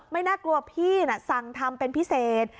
น่ากลัวพี่น่ะสั่งทำเป็นพิเศษ